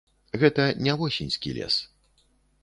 Гэта не восеньскі лес.